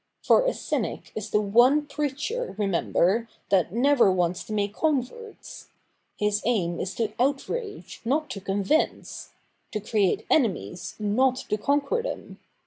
For a cynic is the one preacher, remember, that never wants to make converts. His aim is to outrage, not to convince : to create enemies, not to conquer them.